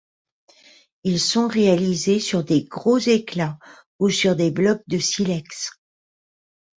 Ils sont réalisés sur des gros éclats ou sur des blocs de silex.